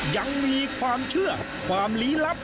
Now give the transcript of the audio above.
ยังมีความเชื่อความลี้ลับ